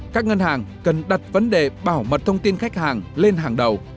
các ngân hàng cần đặt vấn đề bảo mật thông tin khách hàng lên hàng đầu